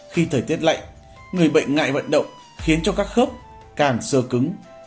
khi thời tiết lạnh người bệnh ngại vận động khiến cho các khớp càng sơ cứng